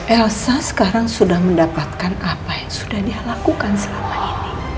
elsa sekarang sudah mendapatkan apa yang sudah dia lakukan selama ini